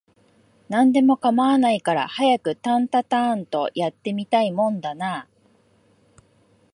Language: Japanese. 何でも構わないから、早くタンタアーンと、やって見たいもんだなあ